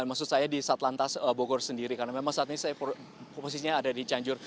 maksud saya di satlantas bogor sendiri karena memang saat ini saya posisinya ada di cianjur